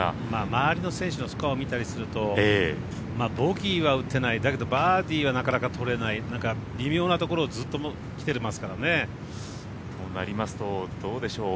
周りの選手のスコアを見たりするとボギーは打ってない、だけどバーディーはなかなか取れない微妙なところをずっと来てますからね。となりますと、どうでしょう？